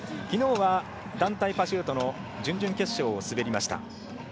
きのうは団体パシュートの準々決勝を滑りました。